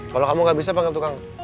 kalau kamu gak bisa panggil tukang